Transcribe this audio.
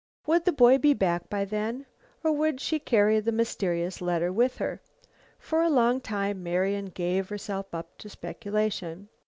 Would the boy be back by then, or would she carry the mysterious letter with her? For a long time Marian gave herself up to speculation.